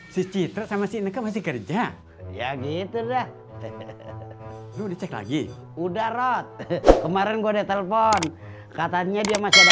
si citra sama si nek masih kerja ya gitu dah udah kemarin gue telpon katanya dia masih ada